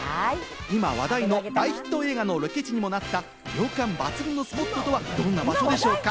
今話題の大ヒット映画のロケ地にもなった涼感抜群のスポットとは、どんな場所でしょうか？